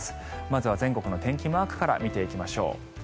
まずは全国の天気マークから見ていきましょう。